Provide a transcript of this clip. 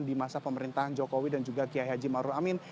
di masa pemerintahan jokowi dan juga kiai haji maruf amin